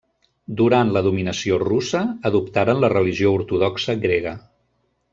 Durant la dominació russa adoptaren la religió ortodoxa grega.